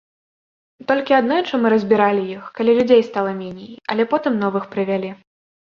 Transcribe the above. Толькі аднойчы мы разбіралі іх, калі людзей стала меней, але потым новых прывялі.